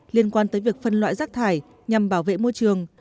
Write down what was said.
liên quan tới việc phân loại rác thải nhằm bảo vệ môi trường